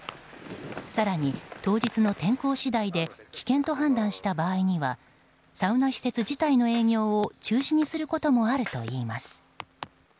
更に当日の天候次第で危険と判断した場合にはサウナ施設自体の営業を中止にすることもあるといいます。